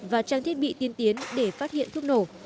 và trang thiết bị tiên tiến để phát hiện thuốc nổ